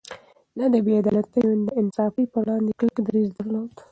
ده د بې عدالتۍ او ناانصافي پر وړاندې کلک دريځ درلود.